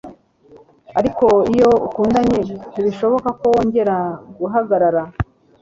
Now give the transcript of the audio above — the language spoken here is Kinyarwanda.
Ariko iyo ukundanye, ntibishoboka ko wongera guhagarara. ”